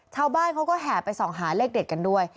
ชาวบ้านเขาก็แห่ไปส่องหาเลขเด็ดกันด้วย